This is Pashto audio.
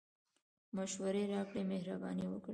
مشوري راکړئ مهربانی وکړئ